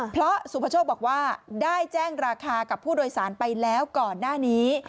เพราะสุภาโชคบอกว่าได้แจ้งราคากับผู้โดยสารไปแล้วก่อนหน้านี้